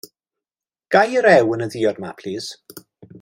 Ga i rew yn y ddiod 'ma plis?